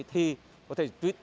thì có thể truyết